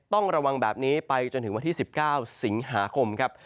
ต้องระวังแบบนี้ไปจนถึงวันที่๑๙สิงหาคมครับ